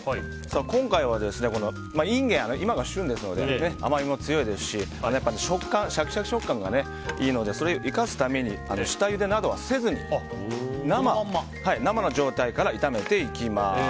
今回はインゲン、今が旬ですので甘みも強いですしシャキシャキ食感がいいのでそれを生かすために下ゆでなどはせずに生の状態から炒めていきます。